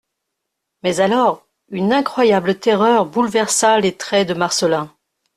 Mais alors, une incroyable terreur bouleversa les traits de Marcelin.